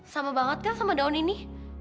sama banget gak sama daun ini